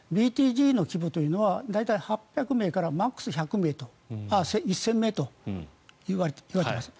ＢＴＧの規模というのは大体８００名からマックス１０００名といわれています。